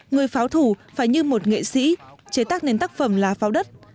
người pháo thủ phải như một nghệ sĩ chế tác nên tác phẩm là pháo đất